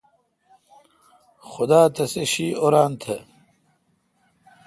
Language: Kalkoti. خدا تسے°شی۔ اوران تہ۔